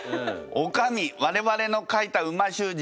おかみ我々の書いた美味しゅう字